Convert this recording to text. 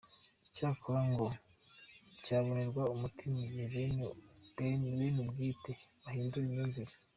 Cyakora ngo cyabonerwa umuti mu gihe bene ubwite bahindura imyumvire .